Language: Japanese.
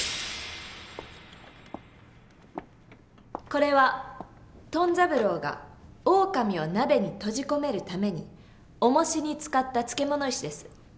これはトン三郎がオオカミを鍋に閉じ込めるためにおもしに使った漬物石です。